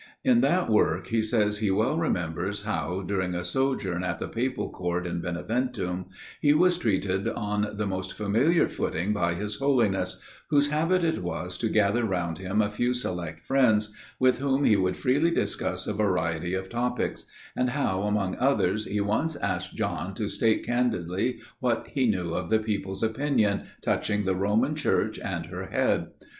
In that work, he says, he well remembers how, during a sojourn at the papal court in Beneventum, he was treated on the most familiar footing by his Holiness; whose habit it was to gather round him a few select friends, with whom he would freely discuss a variety of topics; and how, among others, he once asked John to state candidly what he knew of the people's opinion, touching the Roman Church and her head.